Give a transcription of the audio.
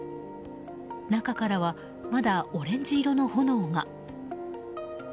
中からはまだオレンジ色の炎が。